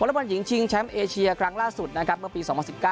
ละบอลหญิงชิงแชมป์เอเชียครั้งล่าสุดนะครับเมื่อปี๒๐๑๙